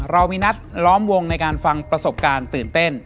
เรามีนัดล้อมวงในการฟังประสบการณ์ตื่นเต้น